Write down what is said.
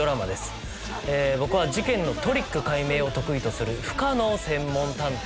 僕は事件のトリック解明を得意とする不可能専門探偵